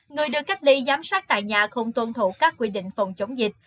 người được cách ly giám sát tại nhà không tuân thủ các quy định phòng chống dịch